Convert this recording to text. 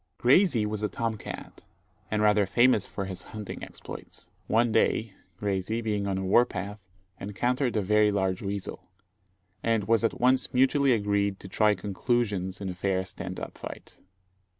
Graysie was a tom cat, and rather famous for his hunting exploits. One day, Graysie, being on the war path, encountered a very large weasel, and it was at once mutually agreed to try conclusions in a fair stand up fight.